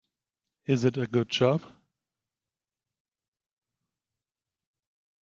Is it a good job?